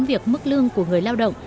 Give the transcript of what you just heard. việc mức lương của người lao động